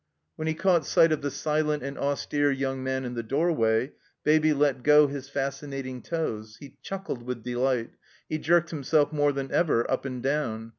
When he caught sight. of the silent and austere young man in the doorway, Baby let go his fascinat ing toes. He chuckled with delight. He jerked himself more than ever up and down.